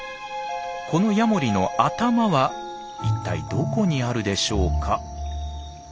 このヤモリの頭は一体どこにあるでしょうか？